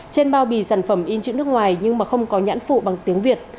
trên bao bì sản phẩm in chữ nước ngoài nhưng mà không có nhãn phụ bằng tiếng việt